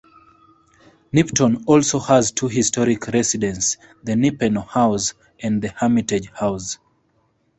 Nipton also has two historic residences, the Nippeno House and the Hermitage House.